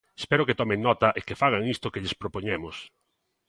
Espero que tomen nota e que fagan isto que lles propoñemos.